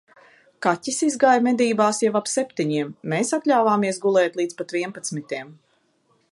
Kaķis izgāja medībās jau ap septiņiem, mēs atļāvāmies gulēt līdz pat vienpadsmitiem.